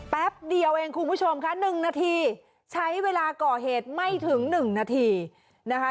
แป๊บเดียวเองคุณผู้ชมค่ะ๑นาทีใช้เวลาก่อเหตุไม่ถึง๑นาทีนะคะ